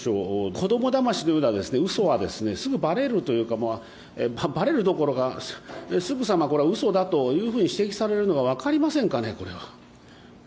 子どもだましのようなうそはすぐばれるというか、ばれるどころか、すぐさまこれはうそだというふうに指摘されるのが分かりませんかね？